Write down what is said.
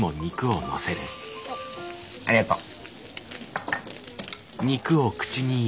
ありがとう。